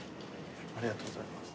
ありがとうございます。